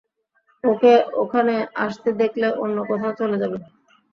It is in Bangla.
ওকে এখানে আসতে দেখলে, অন্য কোথাও চলে যাবে।